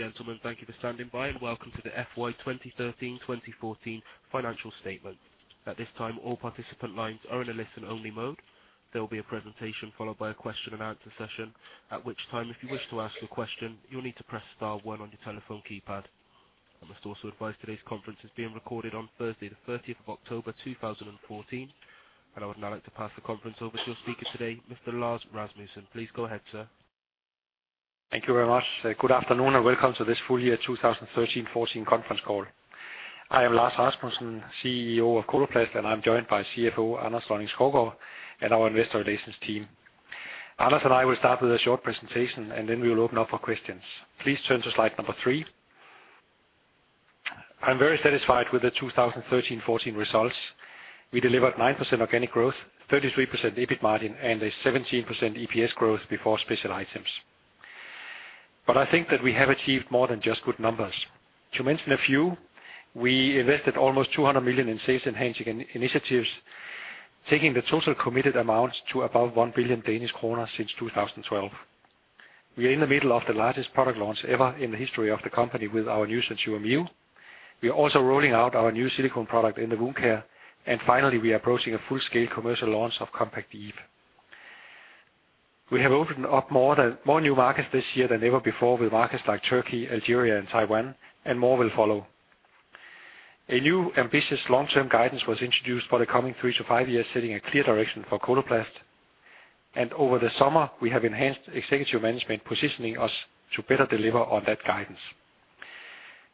Ladies and gentlemen, thank you for standing by, and welcome to the FY 2013/2014 financial statement. At this time, all participant lines are in a listen-only mode. There will be a presentation followed by a question-and-answer session, at which time, if you wish to ask a question, you'll need to press star one on your telephone keypad. I must also advise today's conference is being recorded on Thursday, the 30th of October, 2014, and I would now like to pass the conference over to your speaker today, Mr. Lars Rasmussen. Please go ahead, sir. Thank you very much. Good afternoon, and welcome to this full-year 2013/2014 conference call. I am Lars Rasmussen, CEO of Coloplast, and I'm joined by CFO Anders Lonning-Skovgaard, and our investor relations team. Anders and I will start with a short presentation, and then we will open up for questions. Please turn to Slide 3. I'm very satisfied with the 2013/2014 results. We delivered 9% organic growth, 33% EBIT margin, and a 17% EPS growth before special items. I think that we have achieved more than just good numbers. To mention a few, we invested almost 200 million in sales-enhancing initiatives, taking the total committed amounts to above 1 billion Danish kroner since 2012. We are in the middle of the largest product launch ever in the history of the company with our new SenSura Mio. We are also rolling out our new silicone product in the Wound Care, and finally, we are approaching a full-scale commercial launch of Compact Eve. We have opened up more, more new markets this year than ever before with markets like Turkey, Algeria, and Taiwan, and more will follow. A new ambitious long-term guidance was introduced for the coming three to five years, setting a clear direction for Coloplast. Over the summer, we have enhanced executive management, positioning us to better deliver on that guidance.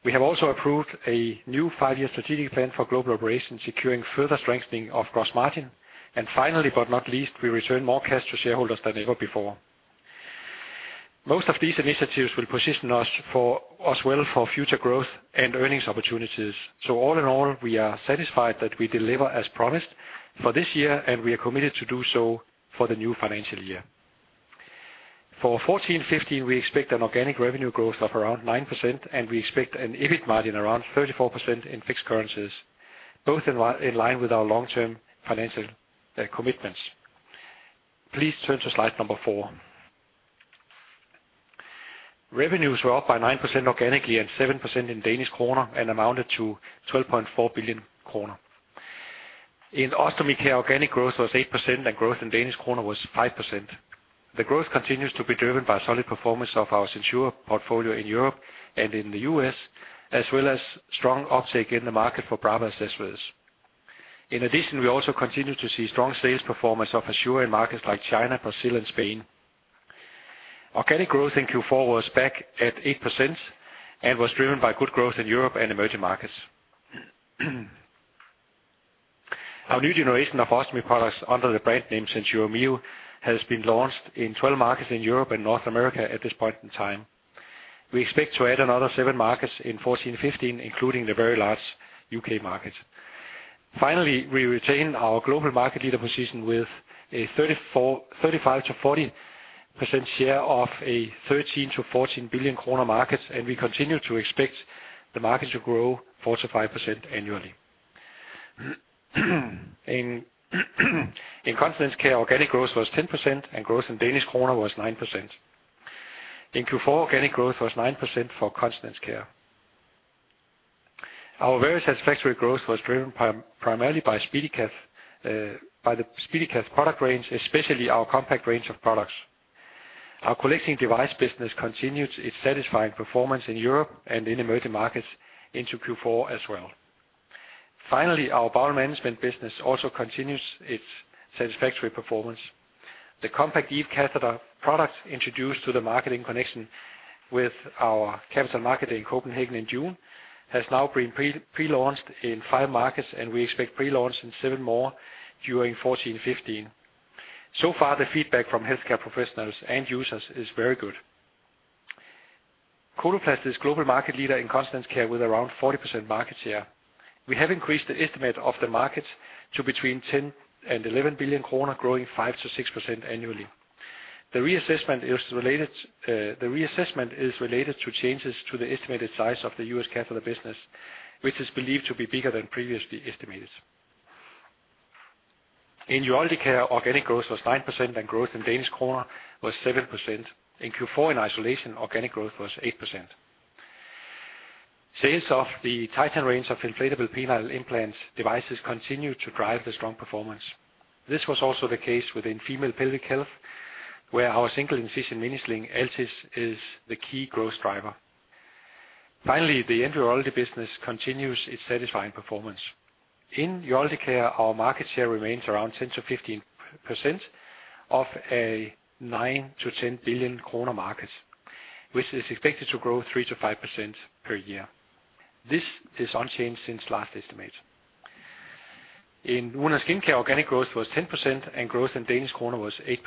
We have also approved a new five-year strategic plan for Global Operations, securing further strengthening of gross margin. Finally, but not least, we return more cash to shareholders than ever before. Most of these initiatives will position us for future growth and earnings opportunities. All in all, we are satisfied that we deliver as promised for this year, and we are committed to do so for the new financial year. For 2014, 2015, we expect an organic revenue growth of around 9%, and we expect an EBIT margin around 34% in fixed currencies, both in line with our long-term financial commitments. Please turn to Slide 4. Revenues were up by 9% organically and 7% in Danish krone and amounted to 12.4 billion kroner. In Ostomy Care, organic growth was 8%, and growth in DKK was 5%. The growth continues to be driven by solid performance of our SenSura portfolio in Europe and in the U.S., as well as strong uptake in the market for Brava as well. In addition, we also continue to see strong sales performance of Assura in markets like China, Brazil, and Spain. Organic growth in Q4 was back at 8% and was driven by good growth in Europe and emerging markets. Our new generation of ostomy products, under the brand name SenSura Mio, has been launched in 12 markets in Europe and North America at this point in time. We expect to add another seven markets in 2014, 2015, including the very large U.K. market. Finally, we retain our global market leader position with a 35%-40% share of a 13 billion-14 billion kroner market, and we continue to expect the market to grow 4%-5% annually. In Continence Care, organic growth was 10% and growth in DKK was 9%. In Q4, organic growth was 9% for Continence Care. Our very satisfactory growth was driven primarily by the SpeediCath product range, especially our compact range of products. Our collecting device business continued its satisfying performance in Europe and in emerging markets into Q4 as well. Finally, our Bowel Management business also continues its satisfactory performance. The Compact Eve catheter product, introduced to the market in connection with our Capital Market in Copenhagen in June, has now been pre-launched in five markets, and we expect pre-launch in seven more during 2014, 2015. So far, the feedback from healthcare professionals and users is very good. Coloplast is global market leader in Continence Care with around 40% market share. We have increased the estimate of the market to between 10 billion and 11 billion kroner, growing 5%-6% annually. The reassessment is related to changes to the estimated size of the U.S. catheter business, which is believed to be bigger than previously estimated. In Urology Care, organic growth was 9%, and growth in DKK was 7%. In Q4, in isolation, organic growth was 8%. Sales of the Titan range of inflatable penile implant devices continued to drive the strong performance. This was also the case within Female Pelvic Health, where our single-incision mini-sling, Altis, is the key growth driver. Finally, the Endourology business continues its satisfying performance. In Urology Care, our market share remains around 10%-15% of a 9 billion-10 billion kroner market, which is expected to grow 3%-5% per year. This is unchanged since last estimate. In Wound and Skin Care, organic growth was 10%, and growth in Danish kroner was 8%.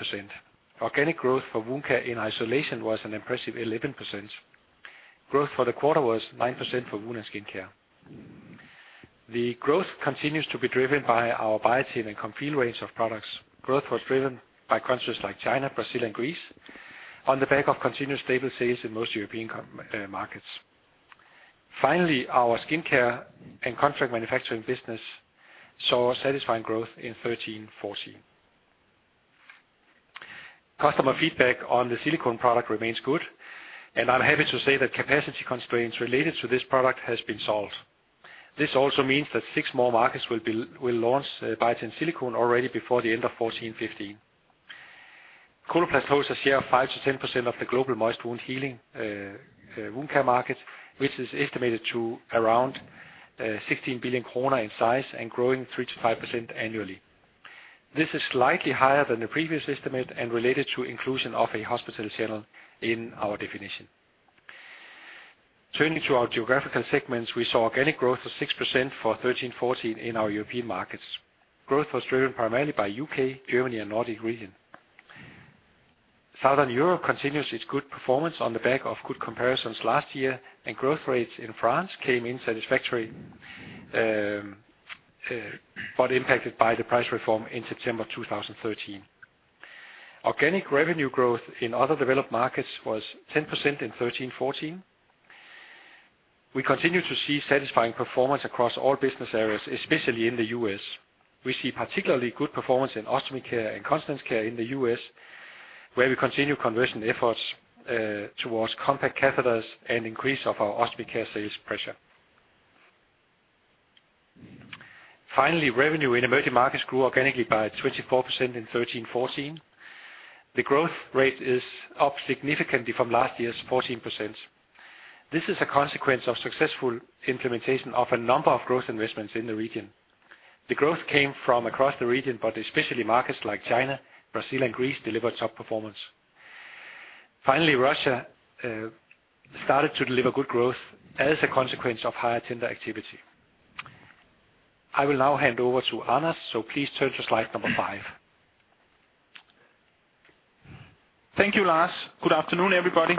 Organic growth for Wound Care in isolation was an impressive 11%. Growth for the quarter was 9% for Wound and Skin Care. The growth continues to be driven by our Biatain and Comfeel range of products. Growth was driven by countries like China, Brazil, and Greece on the back of continuous stable sales in most European markets. Our skincare and contract manufacturing business saw a satisfying growth in 2013-2014. Customer feedback on the silicone product remains good, and I'm happy to say that capacity constraints related to this product has been solved. This also means that six more markets will launch Biatain Silicone already before the end of 2014-2015. Coloplast holds a share of 5%-10% of the global moist wound healing wound care market, which is estimated to around 16 billion kroner in size and growing 3%-5% annually. This is slightly higher than the previous estimate and related to inclusion of a hospital channel in our definition. Turning to our geographical segments, we saw organic growth of 6% for 2013-2014 in our European markets. Growth was driven primarily by U.K., Germany, and Nordic region. Southern Europe continues its good performance on the back of good comparisons last year. Growth rates in France came in satisfactory, but impacted by the price reform in September of 2013. Organic revenue growth in other developed markets was 10% in 2013-2014. We continue to see satisfying performance across all business areas, especially in the U.S. We see particularly good performance in Ostomy Care and Continence Care in the U.S., where we continue conversion efforts towards compact catheters and increase of our Ostomy Care sales pressure. Finally, revenue in emerging markets grew organically by 24% in 2013-2014. The growth rate is up significantly from last year's 14%. This is a consequence of successful implementation of a number of growth investments in the region. The growth came from across the region, but especially markets like China, Brazil, and Greece delivered top performance. Finally, Russia started to deliver good growth as a consequence of higher tender activity. I will now hand over to Anders, please turn to Slide 5. Thank you, Lars. Good afternoon, everybody.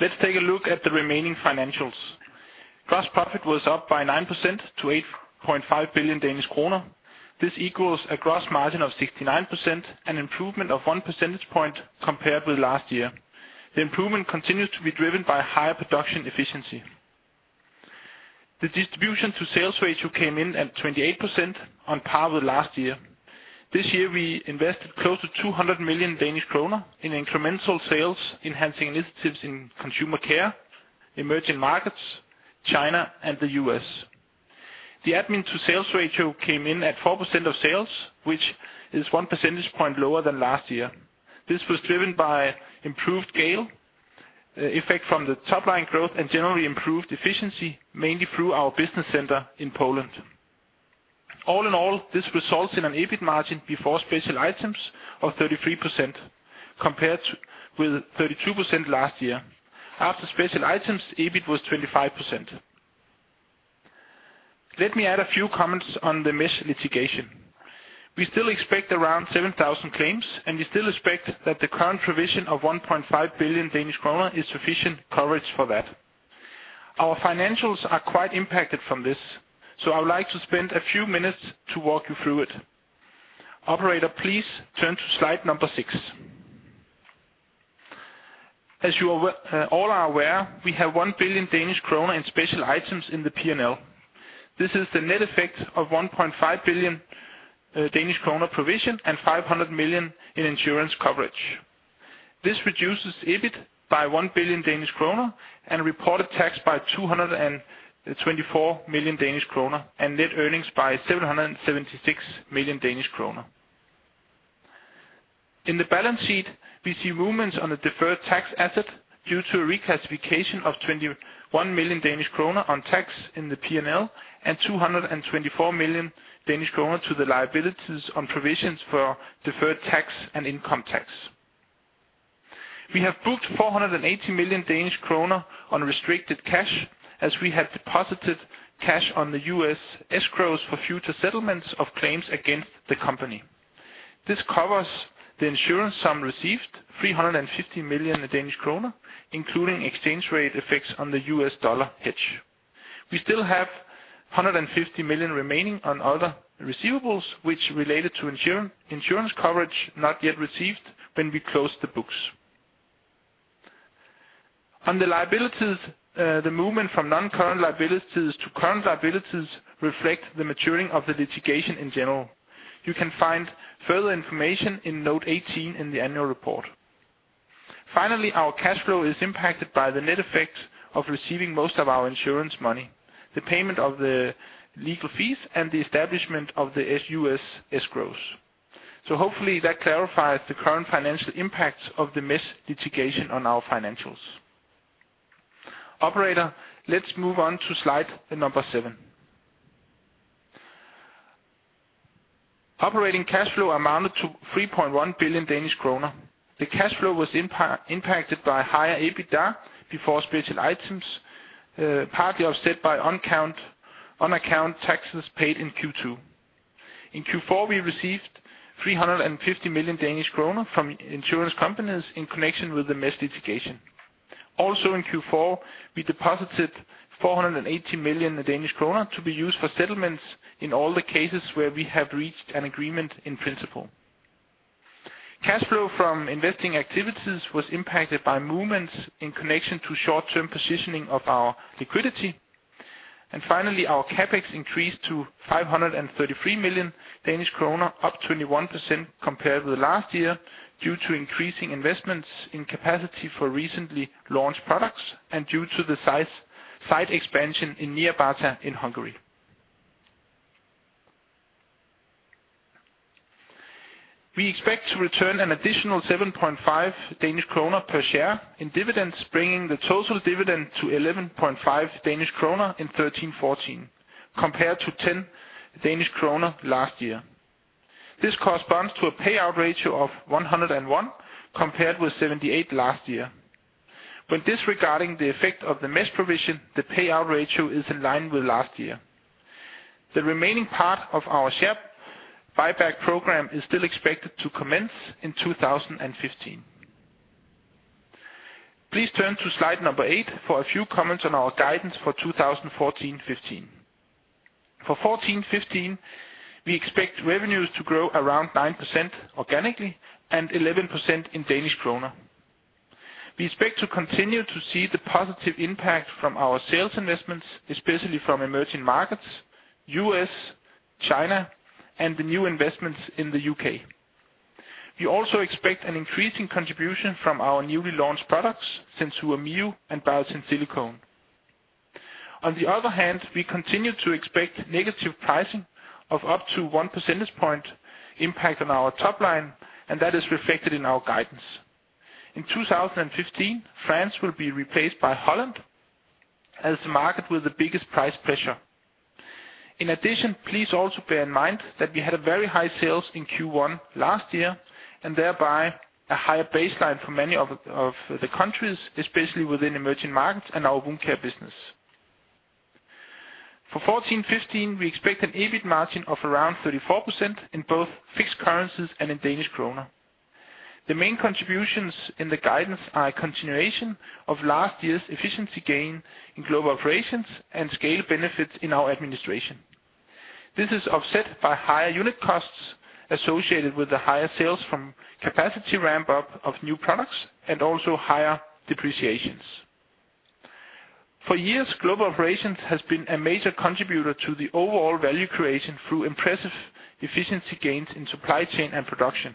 Let's take a look at the remaining financials. Gross profit was up by 9% to 8.5 billion Danish kroner. This equals a gross margin of 69%, an improvement of 1 percentage point compared with last year. The improvement continues to be driven by higher production efficiency. The distribution to sales ratio came in at 28% on par with last year. This year, we invested close to 200 million Danish kroner in incremental sales, enhancing initiatives in consumer care, emerging markets, China, and the U.S. The admin to sales ratio came in at 4% of sales, which is 1 percentage point lower than last year. This was driven by improved scale effect from the top-line growth and generally improved efficiency, mainly through our business center in Poland. All in all, this results in an EBIT margin before special items of 33%, compared to with 32% last year. After special items, EBIT was 25%. Let me add a few comments on the mesh litigation. We still expect around 7,000 claims, we still expect that the current provision of 1.5 billion Danish kroner is sufficient coverage for that. Our financials are quite impacted from this, I would like to spend a few minutes to walk you through it. Operator, please turn to Slide 6. As you all are aware, we have 1 billion Danish kroner in special items in the P&L. This is the net effect of 1.5 billion Danish kroner provision and 500 million in insurance coverage. This reduces EBIT by 1 billion Danish kroner and reported tax by 224 million Danish kroner, and net earnings by 776 million Danish kroner. In the balance sheet, we see movements on the deferred tax asset due to a reclassification of 21 million Danish kroner on tax in the P&L, and 224 million Danish kroner to the liabilities on provisions for deferred tax and income tax. We have booked 480 million Danish kroner on restricted cash, as we had deposited cash on the U.S. escrows for future settlements of claims against the company. This covers the insurance sum received, 350 million Danish kroner, including exchange rate effects on the U.S. dollar hedge. We still have 150 million remaining on other receivables, which related to insurance coverage not yet received when we closed the books. On the liabilities, the movement from non-current liabilities to current liabilities reflect the maturing of the litigation in general. You can find further information in Note 18 in the annual report. Finally, our cash flow is impacted by the net effect of receiving most of our insurance money, the payment of the legal fees, and the establishment of the SUI escrows. Hopefully that clarifies the current financial impact of the mesh litigation on our financials. Operator, let's move on to Slide 7. Operating cash flow amounted to 3.1 billion Danish kroner. The cash flow was impacted by higher EBITDA before special items, partly offset by on account taxes paid in Q2. In Q4, we received 350 million Danish kroner from insurance companies in connection with the mesh litigation. Also in Q4, we deposited 480 million Danish kroner to be used for settlements in all the cases where we have reached an agreement in principle. Cash flow from investing activities was impacted by movements in connection to short-term positioning of our liquidity. Finally, our CapEx increased to 533 million Danish kroner, up 21% compared with last year, due to increasing investments in capacity for recently launched products and due to the size, site expansion in Nyírbátor in Hungary. We expect to return an additional 7.5 Danish kroner per share in dividends, bringing the total dividend to 11.5 Danish kroner in 2013-2014, compared to 10 Danish kroner last year. This corresponds to a payout ratio of 101, compared with 78 last year. When disregarding the effect of the mesh provision, the payout ratio is in line with last year. The remaining part of our share buyback program is still expected to commence in 2015. Please turn to Slide 8 for a few comments on our guidance for 2014-2015. For 2014-2015, we expect revenues to grow around 9% organically and 11% in DKK. We expect to continue to see the positive impact from our sales investments, especially from emerging markets, U.S., China, and the new investments in the U.K. We also expect an increasing contribution from our newly launched products, SenSura Mio and Biatain Silicone. On the other hand, we continue to expect negative pricing of up to 1 percentage point impact on our top line, and that is reflected in our guidance. In 2015, France will be replaced by Holland as the market with the biggest price pressure. In addition, please also bear in mind that we had a very high sales in Q1 last year, and thereby a higher baseline for many of the countries, especially within emerging markets and our Wound Care business. For 2014-2015, we expect an EBIT margin of around 34% in both fixed currencies and in Danish kroner. The main contributions in the guidance are a continuation of last year's efficiency gain in Global Operations and scale benefits in our administration. This is offset by higher unit costs associated with the higher sales from capacity ramp up of new products and also higher depreciations. For years, Global Operations has been a major contributor to the overall value creation through impressive efficiency gains in supply chain and production.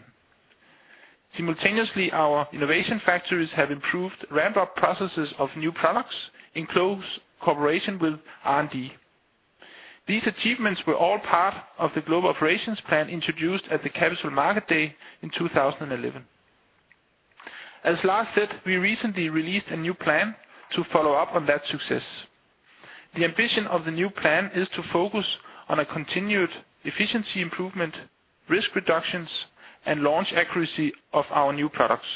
Simultaneously, our innovation factories have improved ramp-up processes of new products in close cooperation with R&D. These achievements were all part of the Global Operations plan introduced at the Capital Markets Day in 2011. As Lars said, we recently released a new plan to follow up on that success. The ambition of the new plan is to focus on a continued efficiency improvement, risk reductions, and launch accuracy of our new products.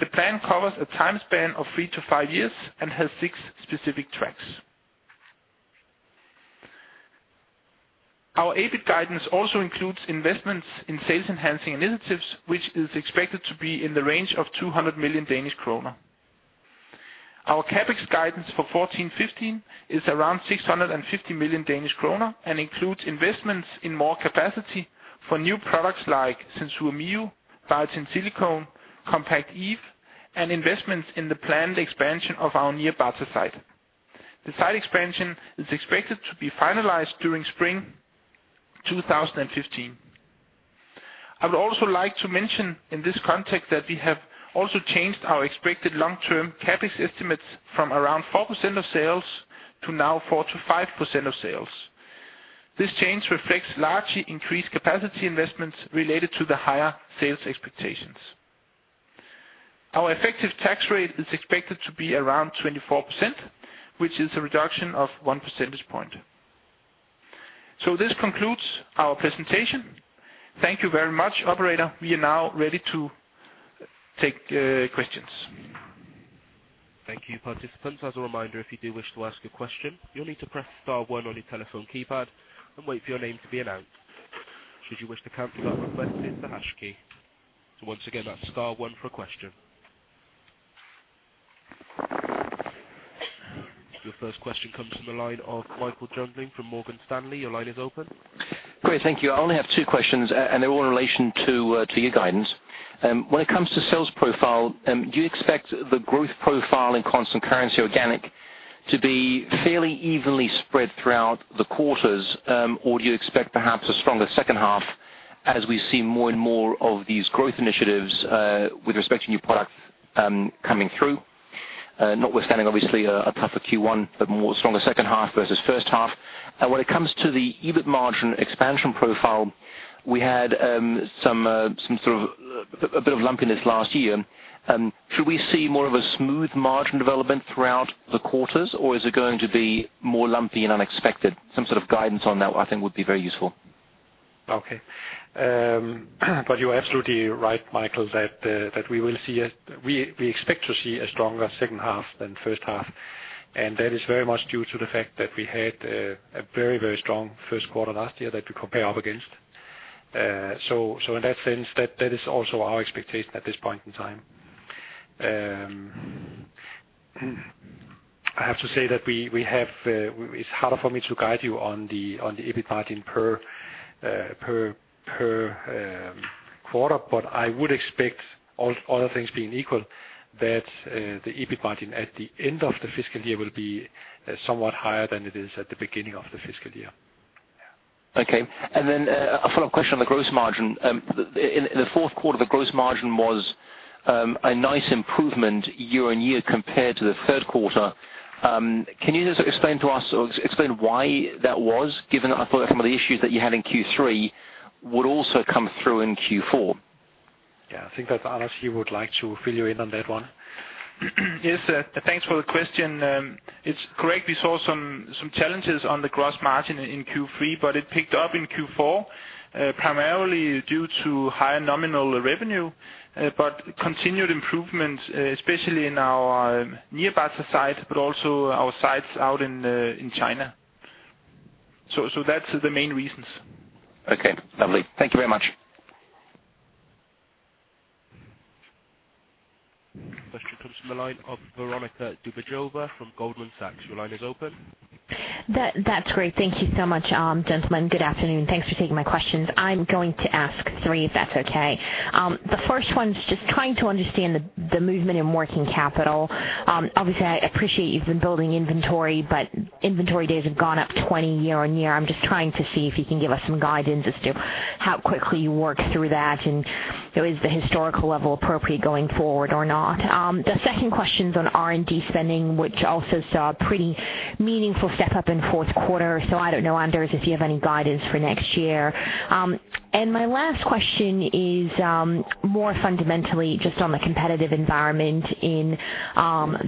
The plan covers a time span of three to five years and has six specific tracks. Our EBIT guidance also includes investments in sales-enhancing initiatives, which is expected to be in the range of 200 million Danish kroner. Our CapEx guidance for 2014-2015 is around 650 million Danish kroner and includes investments in more capacity for new products like SenSura Mio, Biatain Silicone, Compact Eve, and investments in the planned expansion of our Nyírbátor site. The site expansion is expected to be finalized during spring 2015. I would also like to mention in this context, that we have also changed our expected long-term CapEx estimates from around 4% of sales to now 4%-5% of sales. This change reflects largely increased capacity investments related to the higher sales expectations. Our effective tax rate is expected to be around 24%, which is a reduction of one percentage point. This concludes our presentation. Thank you very much. Operator, we are now ready to take questions. Thank you, participants. As a reminder, if you do wish to ask a question, you'll need to press star one on your telephone keypad and wait for your name to be announced. Should you wish to cancel that request, hit the hash key. So once again, that's star one for a question. Your first question comes from the line of Michael Jüngling from Morgan Stanley. Your line is open. Great, thank you. I only have two questions, and they're all in relation to your guidance. When it comes to sales profile, do you expect the growth profile in constant currency organic to be fairly evenly spread throughout the quarters? Or do you expect perhaps a stronger second half as we see more and more of these growth initiatives, with respect to new products, coming through? Notwithstanding, obviously a tougher Q1, but more stronger second half versus first half. When it comes to the EBIT margin expansion profile, we had some sort of a bit of lumpiness last year. Should we see more of a smooth margin development throughout the quarters, or is it going to be more lumpy and unexpected? Some sort of guidance on that, I think, would be very useful. Okay. You're absolutely right, Michael, that we expect to see a stronger second half than first half, that is very much due to the fact that we had a very, very strong first quarter last year that we compare up against. In that sense, that is also our expectation at this point in time. I have to say that we have it's harder for me to guide you on the EBIT margin per quarter. I would expect all, other things being equal that, the EBIT margin at the end of the fiscal year will be somewhat higher than it is at the beginning of the fiscal year. Okay. A follow-up question on the gross margin. In the fourth quarter, the gross margin was a nice improvement year-on-year compared to the third quarter. Can you just explain to us or explain why that was, given, I thought some of the issues that you had in Q3 would also come through in Q4? Yeah, I think that Anders, he would like to fill you in on that one. Yes, thanks for the question. It's correct, we saw some challenges on the gross margin in Q3, but it picked up in Q4, primarily due to higher nominal revenue. Continued improvements, especially in our Nyírbátor site, but also our sites out in China. That's the main reasons. Okay, lovely. Thank you very much. Question comes from the line of Veronika Dubajova from Goldman Sachs. Your line is open. That's great. Thank you so much, gentlemen. Good afternoon, and thanks for taking my questions. I'm going to ask three, if that's okay. The first one is just trying to understand the movement in working capital. Obviously, I appreciate you've been building inventory, but inventory days have gone up 20 year-on-year. I'm just trying to see if you can give us some guidance as to how quickly you work through that, and so is the historical level appropriate going forward or not? The second question's on R&D spending, which also saw a pretty meaningful step up in fourth quarter. I don't know, Anders, if you have any guidance for next year. My last question is more fundamentally just on the competitive environment in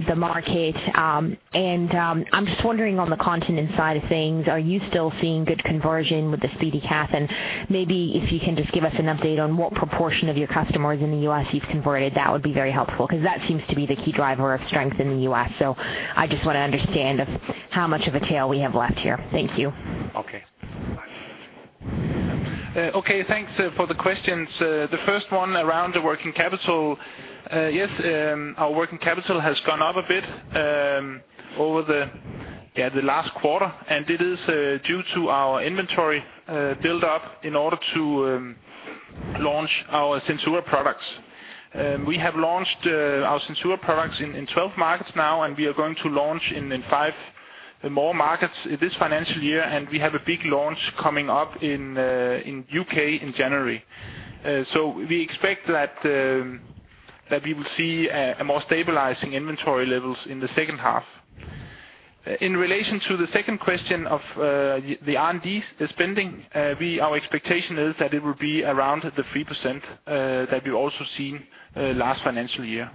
the market. I'm just wondering on the continent side of things, are you still seeing good conversion with the SpeediCath? Maybe if you can just give us an update on what proportion of your customers in the U.S. you've converted, that would be very helpful. 'Cause that seems to be the key driver of strength in the U.S., so I just want to understand of how much of a tail we have left here. Thank you. Okay, thanks for the questions. The first one around the working capital. Yes, our working capital has gone up a bit over the last quarter, and it is due to our inventory build up in order to launch our SenSura products. We have launched our SenSura products in 12 markets now, and we are going to launch in five more markets this financial year, and we have a big launch coming up in the U.K. in January. We expect that we will see a more stabilizing inventory levels in the second half. In relation to the second question of the R&D, the spending, our expectation is that it will be around the 3% that we've also seen last financial year.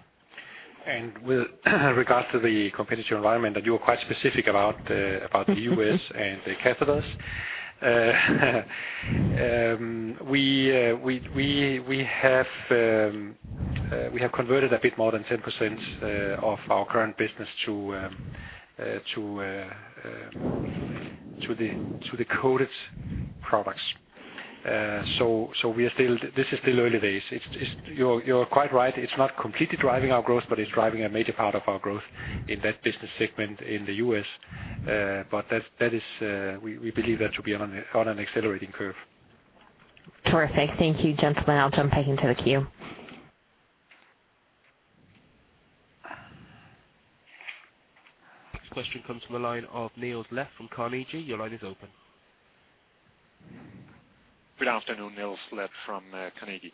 With regards to the competitive environment, and you were quite specific about the U.S. and the catheters. We have converted a bit more than 10% of our current business to the coded products. We are still, this is still early days. It's, you're quite right, it's not completely driving our growth, but it's driving a major part of our growth in that business segment in the U.S. That is, we believe that to be on an accelerating curve. Terrific. Thank you, gentlemen. I'll jump back into the queue. Next question comes from the line of Niels Leth from Carnegie. Your line is open. Good afternoon, Niels Leth from Carnegie.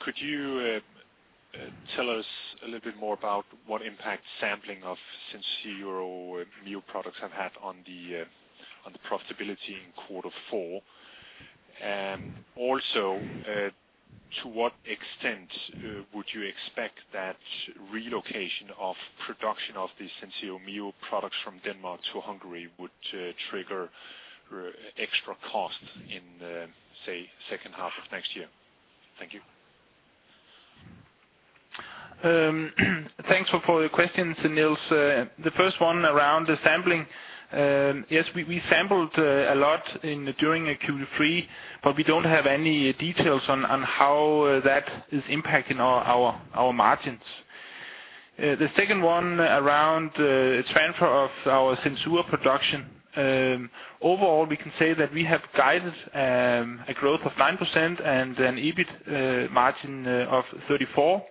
Could you tell us a little bit more about what impact sampling of SenSura Mio products have had on the profitability in quarter four? Also, to what extent would you expect that relocation of production of the SenSura Mio products from Denmark to Hungary would trigger extra costs in say, second half of next year? Thank you. Thanks for the questions, Niels. The first one around the sampling. Yes, we sampled a lot during Q3, but we don't have any details on how that is impacting our margins. The second one around transfer of our SenSura production. Overall, we can say that we have guided a growth of 9% and an EBIT margin of 34%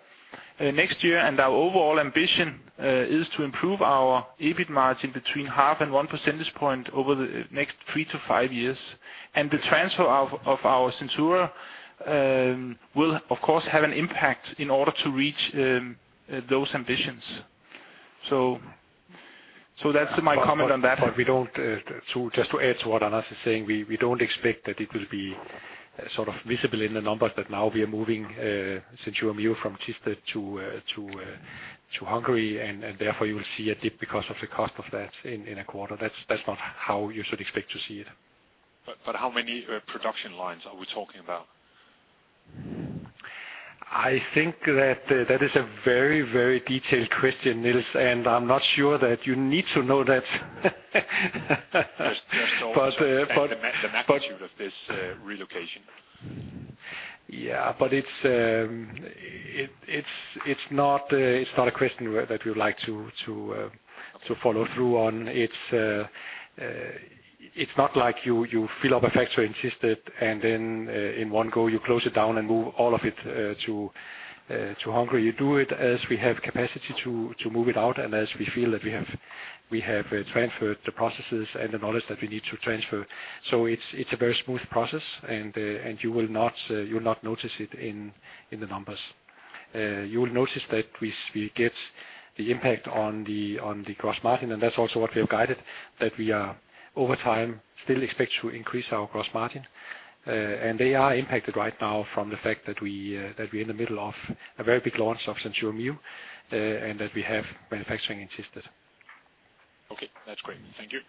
next year. Our overall ambition is to improve our EBIT margin between 0.5 and 1 percentage point over the next three to five years. The transfer of our SenSura will, of course, have an impact in order to reach those ambitions. That's my comment on that. We don't, so just to add to what Anders is saying, we don't expect that it will be sort of visible in the numbers, but now we are moving SenSura Mio from Thisted to Hungary, and therefore, you will see a dip because of the cost of that in a quarter. That's not how you should expect to see it. How many production lines are we talking about? I think that is a very, very detailed question, Niels, and I'm not sure that you need to know that. Just the magnitude of this relocation. Yeah, it's not a question that we would like to follow through on. It's not like you fill up a factory in Thisted, then in one go, you close it down and move all of it to Hungary. You do it as we have capacity to move it out, as we feel that we have transferred the processes and the knowledge that we need to transfer. It's a very smooth process, you will not notice it in the numbers. You will notice that we get the impact on the gross margin, that's also what we have guided, that we are over time, still expect to increase our gross margin. They are impacted right now from the fact that we're in the middle of a very big launch of SenSura Mio, and that we have manufacturing in Thisted. Okay, that's great. Thank you.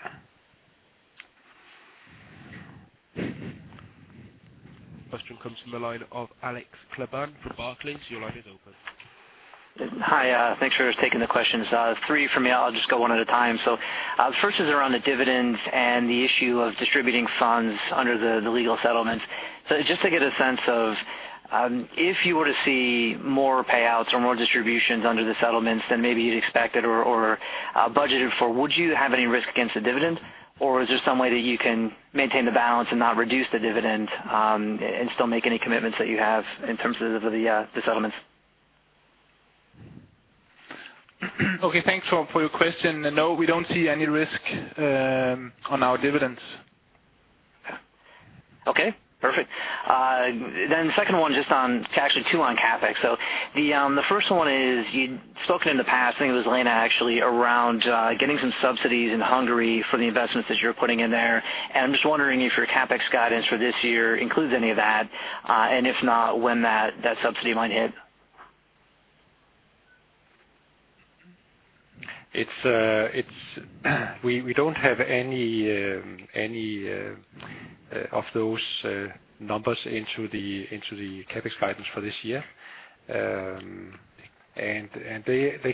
Question comes from the line of Alex Kleban from Barclays. Your line is open. Hi, thanks for taking the questions. Three from me, I'll just go one at a time. The first is around the dividends and the issue of distributing funds under the legal settlements. Just to get a sense of, if you were to see more payouts or more distributions under the settlements than maybe you'd expected or budgeted for, would you have any risk against the dividend? Is there some way that you can maintain the balance and not reduce the dividend, and still make any commitments that you have in terms of the settlements? Thanks for your question. We don't see any risk on our dividends. Okay, perfect. The second one, just on, actually two on CapEx. The first one is, you'd spoken in the past, I think it was Lena actually, around getting some subsidies in Hungary for the investments that you're putting in there. I'm just wondering if your CapEx guidance for this year includes any of that, and if not, when that subsidy might hit? We don't have any of those numbers into the CapEx guidance for this year. They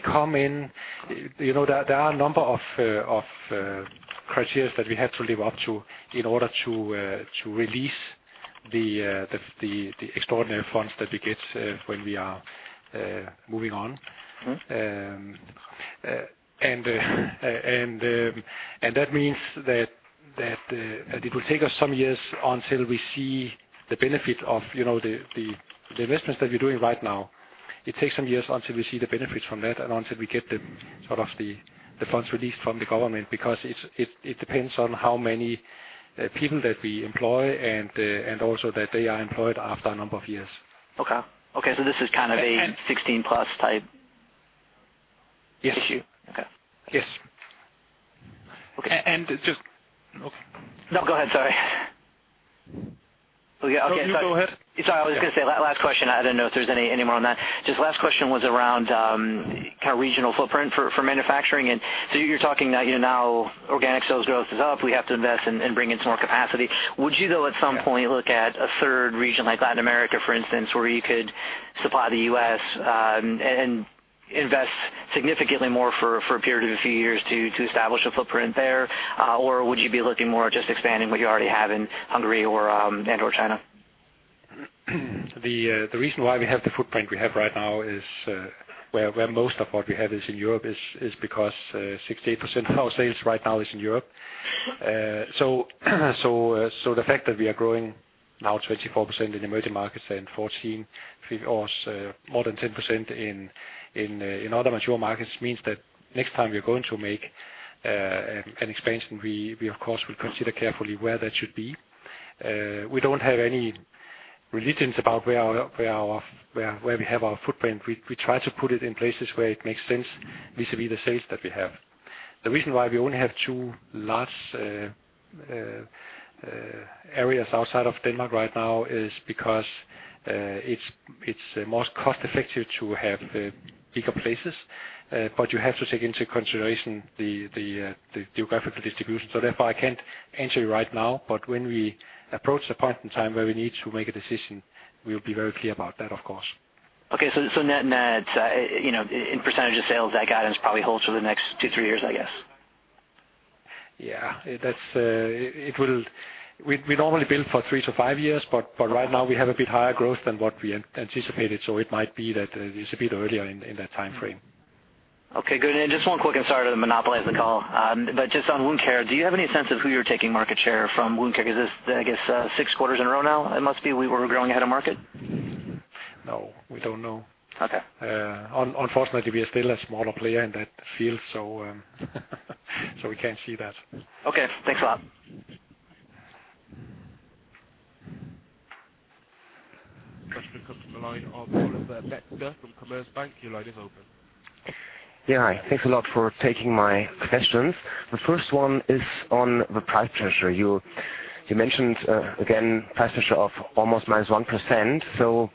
come in. You know, there are a number of criteria that we have to live up to in order to release the extraordinary funds that we get when we are moving on. That means that it will take us some years until we see the benefit of, you know, the investments that we're doing right now. It takes some years until we see the benefits from that and until we get the, sort of, the funds released from the government, because it depends on how many people that we employ and also that they are employed after a number of years. Okay, this is kind of 16%+ type issue. Okay. Yes. Okay. Okay. No, go ahead, sorry. Okay, yeah. No, you go ahead. Sorry, I was gonna say last question. I didn't know if there's any more on that. Just last question was around kind of regional footprint for manufacturing. You're talking now, you know, now organic sales growth is up, we have to invest and bring in some more capacity. Would you, though, at some point, look at a third region like Latin America, for instance, where you could supply the U.S. and invest significantly more for a period of a few years to establish a footprint there? Would you be looking more at just expanding what you already have in Hungary or and/or China? The reason why we have the footprint we have right now is where most of what we have is in Europe, is because 68% of our sales right now is in Europe. The fact that we are growing now 24% in emerging markets and 14% or more than 10% in other mature markets, means that next time we are going to make an expansion, we of course, will consider carefully where that should be. We don't have any religions about where our footprint. We try to put it in places where it makes sense vis-à-vis the sales that we have. The reason why we only have two large areas outside of Denmark right now is because it's the most cost-effective to have bigger places. But you have to take into consideration the geographical distribution. Therefore, I can't answer you right now, but when we approach the point in time where we need to make a decision, we'll be very clear about that, of course. Okay. Net-net, you know, in percentage of sales, that guidance probably holds for the next two, three years, I guess? We normally build for three to five years, but right now we have a bit higher growth than what we anticipated, so it might be that it's a bit earlier in that timeframe. Okay, good. Just one quick, and sorry to monopolize the call. Just on Wound Care, do you have any sense of who you're taking market share from? Wound Care, is this, I guess, six quarters in a row now? It must be, we were growing ahead of market. No, we don't know. Unfortunately, we are still a smaller player in that field, so we can't see that. Okay. Thanks a lot. Question comes from the line of Oliver Becker from Commerzbank. Your line is open. Yeah, hi. Thanks a lot for taking my questions. The first one is on the price pressure. You mentioned again, price pressure of almost -1%.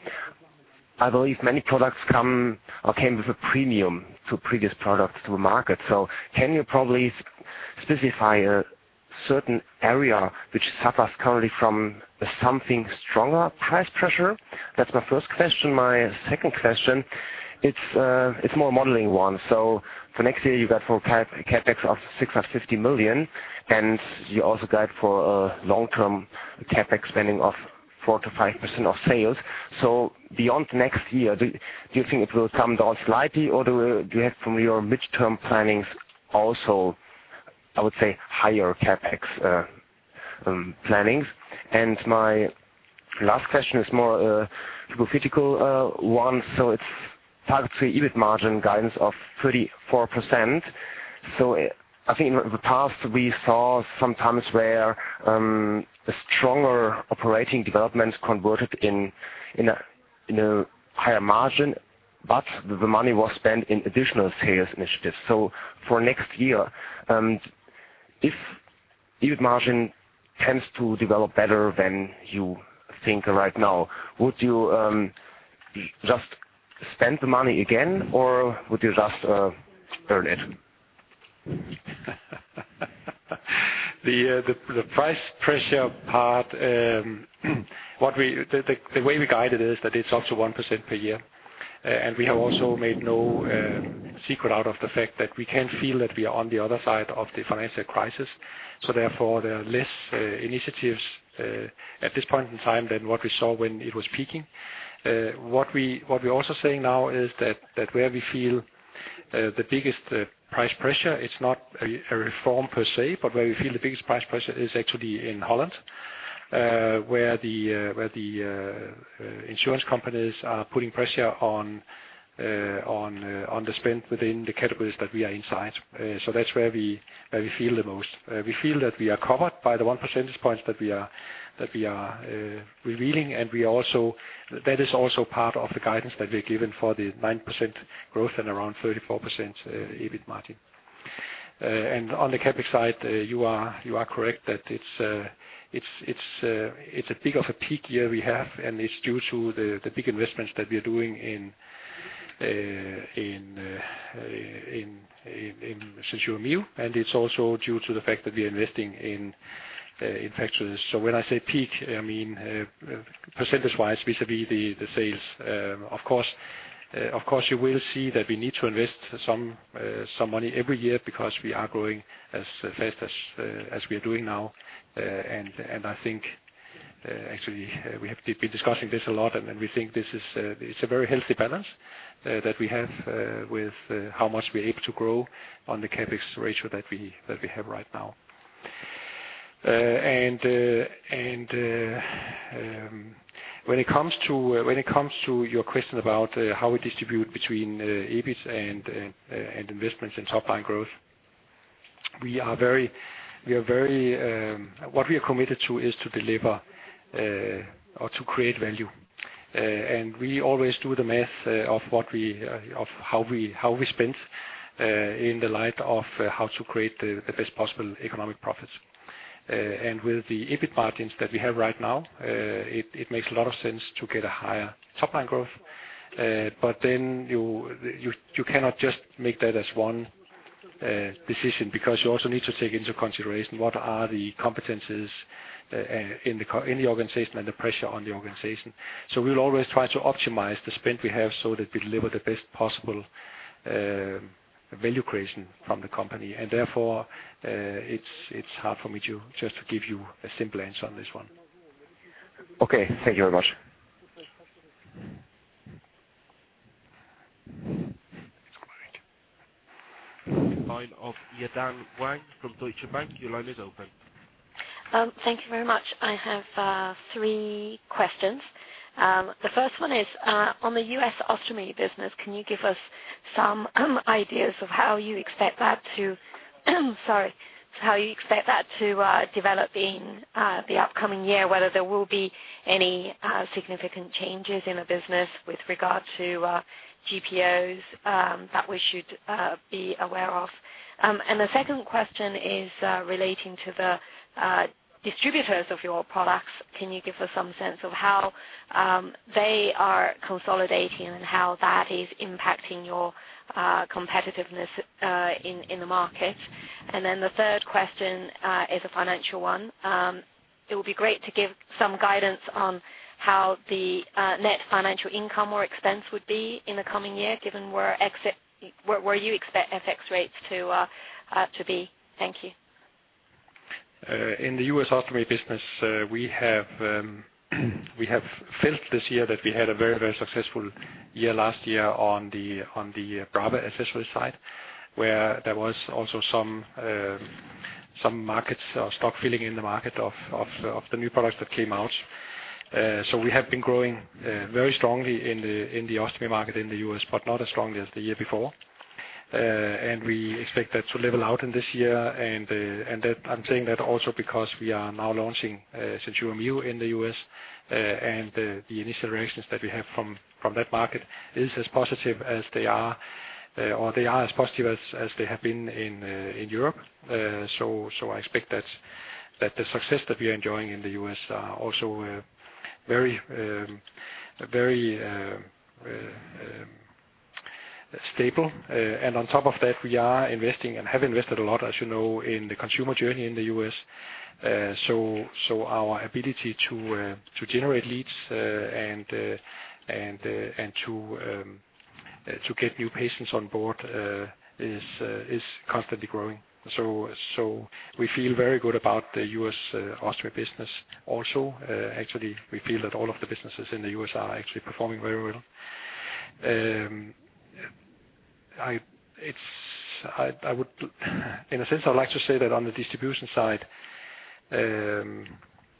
I believe many products come or came with a premium to previous products to the market. Can you probably specify a certain area which suffers currently from something stronger price pressure? That's my first question. My second question, it's more a modeling one. For next year, you got for CapEx of 650 million, and you also got for a long-term CapEx spending of 4%-5% of sales. Beyond next year, do you think it will come down slightly, or do you have from your midterm plannings also, I would say, higher CapEx plannings? My last question is more hypothetical one, it's target to EBIT margin guidance of 34%. I think in the past, we saw some times where a stronger operating development converted in a higher margin, but the money was spent in additional sales initiatives. For next year, if EBIT margin tends to develop better than you think right now, would you just spend the money again, or would you just earn it? The price pressure part, what we, the way we guide it is that it's up to 1% per year. We have also made no secret out of the fact that we can feel that we are on the other side of the financial crisis. Therefore, there are less initiatives at this point in time than what we saw when it was peaking. What we're also seeing now is that where we feel the biggest price pressure, it's not a reform per se, but where we feel the biggest price pressure is actually in Holland. Where the insurance companies are putting pressure on the spend within the categories that we are inside. So that's where we feel the most. We feel that we are covered by the 1 percentage points that we are revealing, and we also. That is also part of the guidance that we've given for the 9% growth and around 34% EBIT margin. And on the CapEx side, you are correct, that it's a bit of a peak year we have, and it's due to the big investments that we are doing in SenSura Mio, and it's also due to the fact that we are investing in fact. When I say peak, I mean, percentage-wise, vis-à-vis the sales. Of course, you will see that we need to invest some money every year because we are growing as fast as we are doing now. I think, actually, we have been discussing this a lot, and we think this is a very healthy balance that we have with how much we're able to grow on the CapEx ratio that we have right now. When it comes to your question about how we distribute between EBITs and investments and top line growth, we are very-- What we are committed to is to deliver or to create value. We always do the math of what we, of how we, how we spend in the light of how to create the best possible economic profits. With the EBIT margins that we have right now, it makes a lot of sense to get a higher top line growth. Then you cannot just make that as one decision, because you also need to take into consideration what are the competencies in the organization, and the pressure on the organization. We'll always try to optimize the spend we have so that we deliver the best possible, value creation from the company. Therefore, it's hard for me to just give you a simple answer on this one. Okay. Thank you very much. The line of Yi-Dan Wang from Deutsche Bank, your line is open. Thank you very much. I have three questions. The first one is on the U.S. Ostomy Care business, can you give us some ideas of how you expect that to develop in the upcoming year? Whether there will be any significant changes in the business with regard to GPOs that we should be aware of? The second question is relating to the distributors of your products. Can you give us some sense of how they are consolidating and how that is impacting your competitiveness in the market? The third question is a financial one. It would be great to give some guidance on how the net financial income or expense would be in the coming year, given where you expect FX rates to be. Thank you. In the U.S. ostomy business, we have felt this year that we had a very successful year last year on the Brava accessory side, where there was also some markets or stock filling in the market of the new products that came out. We have been growing very strongly in the ostomy market in the U.S., but not as strongly as the year before. We expect that to level out in this year, and that, I'm saying that also because we are now launching SenSura Mio in the U.S., and the initial reactions that we have from that market is as positive as they are, or they are as positive as they have been in Europe. So I expect that the success that we are enjoying in the U.S. are also very stable. On top of that, we are investing and have invested a lot, as you know, in the consumer journey in the U.S. So our ability to generate leads and to get new patients on board is constantly growing. So we feel very good about the U.S. Ostomy business also. Actually, we feel that all of the businesses in the U.S. are actually performing very well. I would, in a sense, I'd like to say that on the distribution side,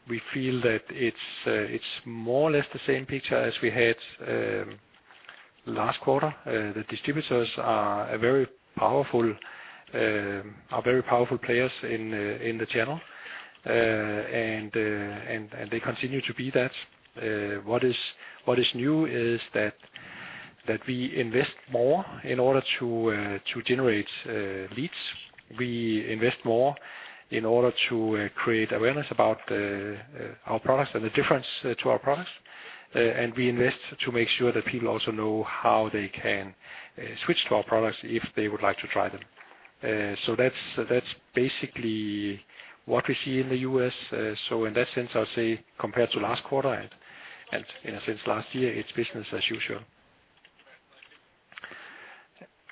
we feel that it's more or less the same picture as we had last quarter. The distributors are a very powerful players in the channel. They continue to be that. What is new is that we invest more in order to generate leads. We invest more in order to create awareness about our products and the difference to our products. We invest to make sure that people also know how they can switch to our products if they would like to try them. That's basically what we see in the U.S. In that sense, I'll say compared to last quarter and, you know, since last year, it's business as usual.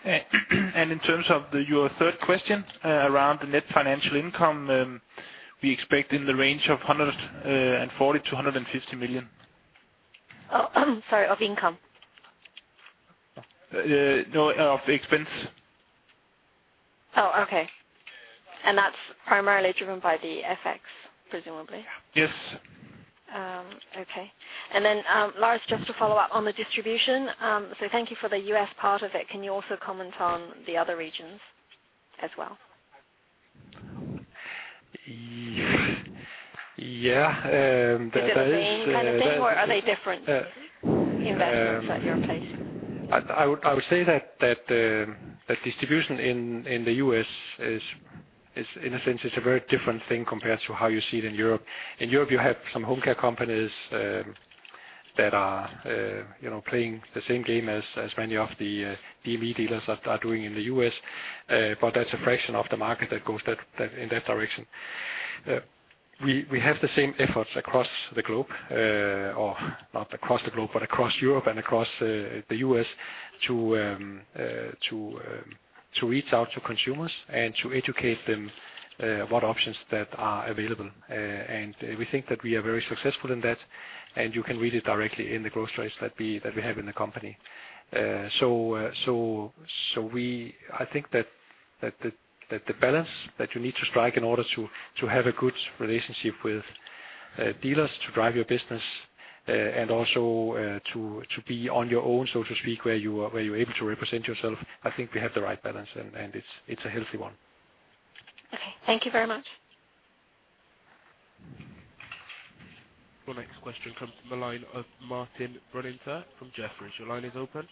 In terms of your third question, around the net financial income, we expect in the range of 140 million-150 million. Oh, sorry, of income? No, of expense. Oh, okay. That's primarily driven by the FX, presumably? Yes. Okay. Lars, just to follow up on the distribution, so thank you for the U.S. part of it. Can you also comment on the other regions as well? Yeah, that is. Is it the same kind of thing or are they different investments that you're placing? I would say that distribution in the U.S. is in a sense it's a very different thing compared to how you see it in Europe. In Europe, you have some home care companies, you know, playing the same game as many of the DME dealers are doing in the U.S. But that's a fraction of the market that goes that in that direction. We have the same efforts across the globe, or not across the globe, but across Europe and across the U.S., to reach out to consumers and to educate them what options that are available. We think that we are very successful in that, and you can read it directly in the growth rates that we have in the company. I think that the balance that you need to strike in order to have a good relationship with dealers, to drive your business, and also to be on your own, so to speak, where you're able to represent yourself, I think we have the right balance and it's a healthy one. Okay, thank you very much. The next question comes from the line of Martin Brunninger from Jefferies. Your line is open.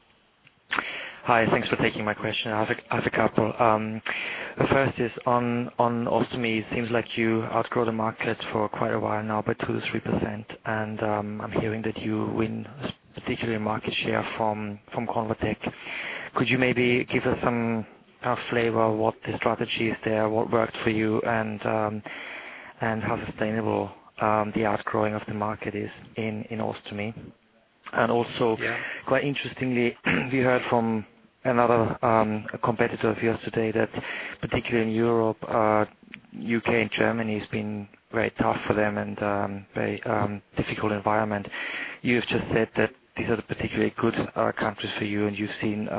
Hi, thanks for taking my question. I have a couple. The first is on ostomy. It seems like you outgrow the market for quite a while now, by 2%-3%, and I'm hearing that you win particularly market share from ConvaTec. Could you maybe give us some flavor of what the strategy is there, what worked for you, and how sustainable the outgrowing of the market is in ostomy? And also quite interestingly, we heard from another competitor of yours today that particularly in Europe, U.K. and Germany has been very tough for them and very difficult environment. You have just said that these are the particularly good countries for you, and you've seen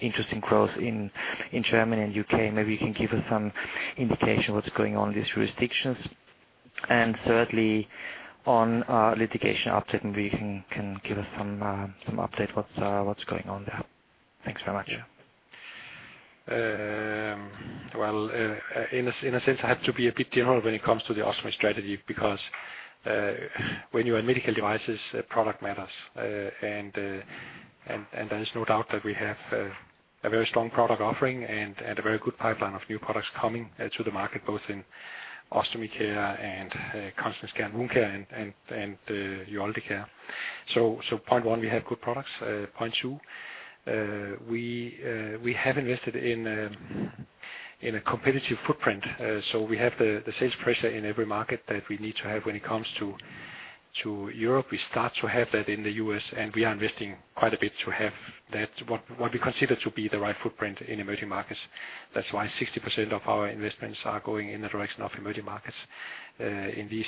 interesting growth in Germany and U.K. Maybe you can give us some indication what's going on in these jurisdictions. Thirdly, on litigation update, maybe you can give us some update what's what's going on there. Thanks very much. Well, in a sense, I have to be a bit general when it comes to the ostomy strategy, because when you are in medical devices, product matters. And there is no doubt that we have a very strong product offering and a very good pipeline of new products coming to the market, both in Ostomy Care and Continence Care and Wound Care and Urology Care. Point one, we have good products. Point two, we have invested in a competitive footprint. We have the sales pressure in every market that we need to have when it comes to Europe. We start to have that in the U.S., and we are investing quite a bit to have that, what we consider to be the right footprint in emerging markets. That's why 60% of our investments are going in the direction of emerging markets in these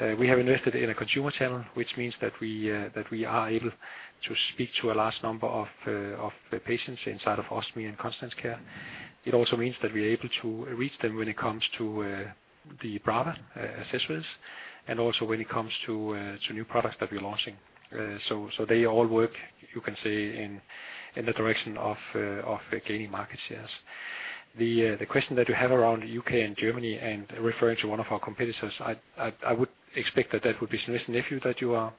years. We have invested in a consumer channel, which means that we are able to speak to a large number of patients inside of Ostomy and Continence Care. It also means that we're able to reach them when it comes to the broader accessories, and also when it comes to new products that we're launching. They all work, you can say, in the direction of gaining market shares. The question that you have around U.K. and Germany, and referring to one of our competitors, I would expect that that would be Smith & Nephew, that you are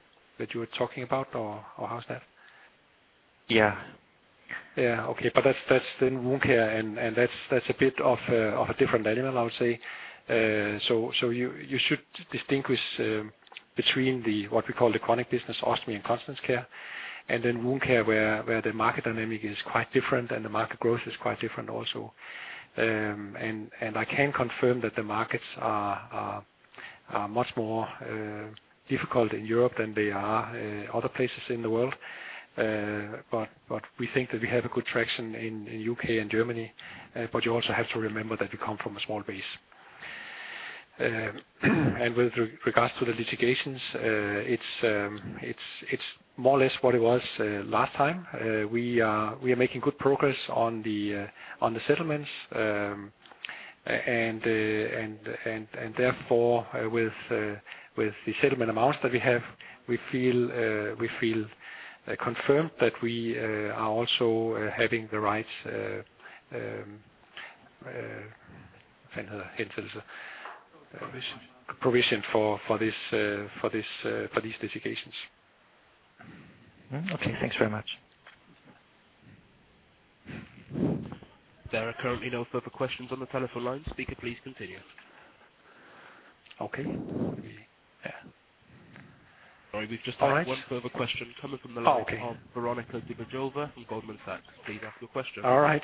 talking about, or how is that? Yeah. Yeah, okay. That's in Wound Care, and that's a bit of a different animal, I would say. You should distinguish between the, what we call the chronic business, Ostomy Care and Continence Care, and then Wound Care, where the market dynamic is quite different and the market growth is quite different also. I can confirm that the markets are much more difficult in Europe than they are other places in the world. We think that we have a good traction in U.K. and Germany, but you also have to remember that we come from a small base. With regards to the litigations, it's more or less what it was last time. We are making good progress on the settlements. Therefore, with the settlement amounts that we have, we feel confirmed that we are also having the right provision for this, for these litigations. Okay, thanks very much. There are currently no further questions on the telephone line. Speaker, please continue. Okay. Yeah. All right. We've just had one further question coming from the line of Veronika Dubajova from Goldman Sachs. Please ask your question. All right.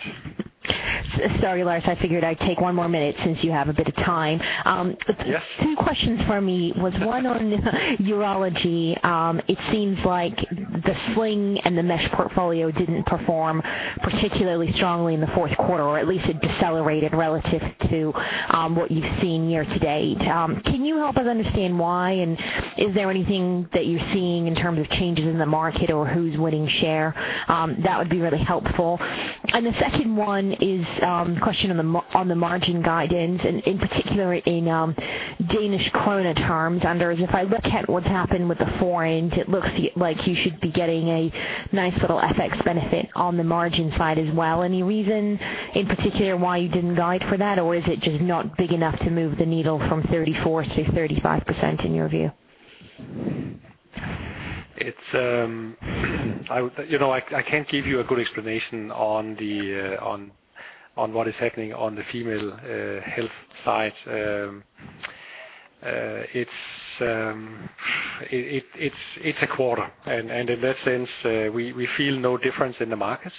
Sorry, Lars. I figured I'd take one more minute since you have a bit of time. Yes. Two questions for me was one on urology. It seems like the sling and the mesh portfolio didn't perform particularly strongly in the fourth quarter, or at least it decelerated relative to what you've seen year to date. Can you help us understand why? Is there anything that you're seeing in terms of changes in the market or who's winning share? That would be really helpful. The second one is question on the margin guidance, and in particular in Danish kroner terms. Anders, as if I look at what's happened with the foreign, it looks like you should be getting a nice little FX benefit on the margin side as well. Any reason in particular why you didn't guide for that? Is it just not big enough to move the needle from 34%-35%, in your view? It's, you know, I can't give you a good explanation on what is happening on the female health side. It's a quarter and in that sense, we feel no difference in the markets.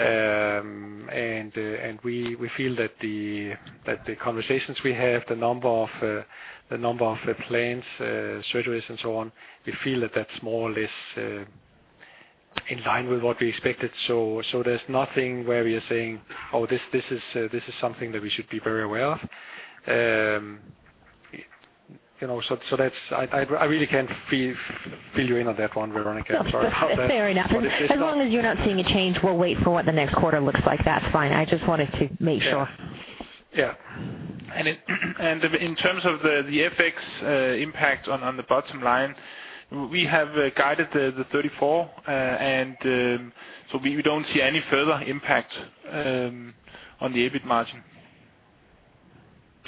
And we feel that the conversations we have, the number of plans, surgeries and so on, we feel that's more or less in line with what we expected. There's nothing where we are saying: Oh, this is something that we should be very aware of. You know, so that's-- I really can't fill you in on that one, Veronika. I'm sorry about that. Fair enough. As long as you're not seeing a change, we'll wait for what the next quarter looks like. That's fine. I just wanted to make sure. Yeah. In terms of the FX impact on the bottom line, we have guided the 34%, and we don't see any further impact on the EBIT margin.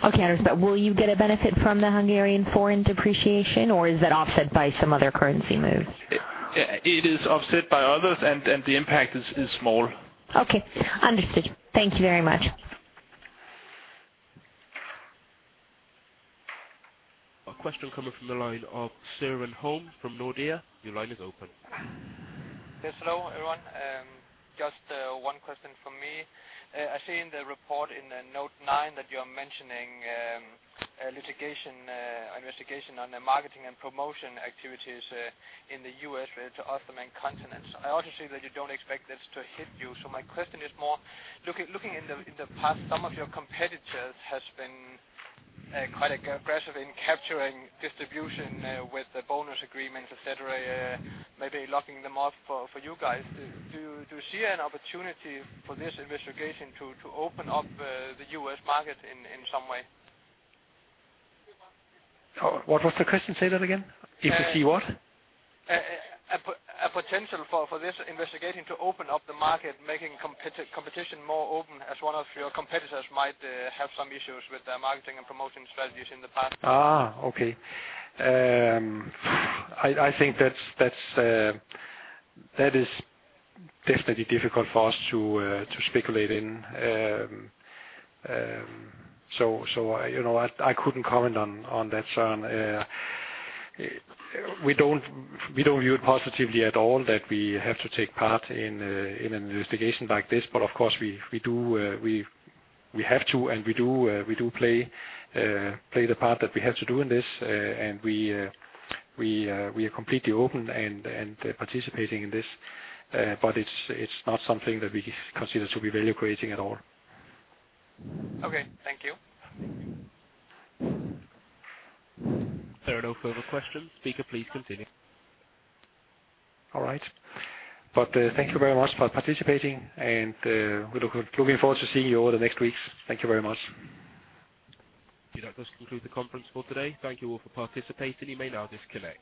Okay, I understand. Will you get a benefit from the Hungarian foreign depreciation, or is that offset by some other currency move? It is offset by others, and the impact is small. Okay, understood. Thank you very much. A question coming from the line of Søren Holm from Nordea. Your line is open. Yes, hello, everyone. Just one question for me. I see in the report in the note 9 that you are mentioning a litigation investigation on the marketing and promotion activities in the U.S. related to Ostomy and Continence. I also see that you don't expect this to hit you. My question is more, looking in the past, some of your competitors has been quite aggressive in capturing distribution with the bonus agreements, et cetera, maybe locking them off for you guys. Do you see an opportunity for this investigation to open up the U.S. market in some way? What was the question? Say that again. If you see what? A potential for this investigation to open up the market, making competition more open, as one of your competitors might have some issues with their marketing and promotion strategies in the past. Okay. I think that is definitely difficult for us to speculate in. You know, I couldn't comment on that, Søren. We don't view it positively at all, that we have to take part in an investigation like this. Of course, we do, we have to, and we do play the part that we have to do in this. We are completely open and participating in this. It's not something that we consider to be value creating at all. Okay. Thank you. There are no further questions. Speaker, please continue. All right. Thank you very much for participating, and we're looking forward to seeing you over the next weeks. Thank you very much. That does conclude the conference call today. Thank you all for participating. You may now disconnect.